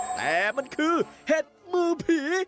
แต่มันคือเห็ดมือผี